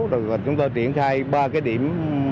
rồi chúng tôi triển khai ba điểm